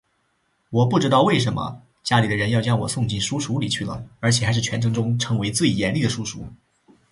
我不知道为什么家里的人要将我送进书塾里去了而且还是全城中称为最严厉的书塾